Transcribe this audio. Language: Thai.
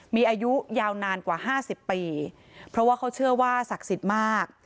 มีอายุยาวนานกว่าห้าสิบปีเพราะว่าเขาเชื่อว่าศักดิ์สิทธิ์มาก